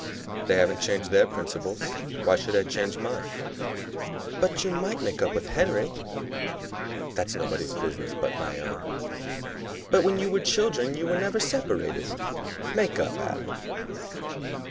"They haven't changed their principles. Why should I change mine?" "But you might make up with Henry." "That's nobody's business but my own." "But when you were children you were never separated. Make up, Adam."